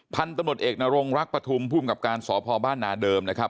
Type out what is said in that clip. พันธุ์ตำรวจเอกนรงรักปฐุมภูมิกับการสพบ้านนาเดิมนะครับ